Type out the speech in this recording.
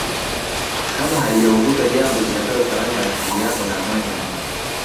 Kama halijakujuta jambo litakalo tawanya akili yako na amani ya moyo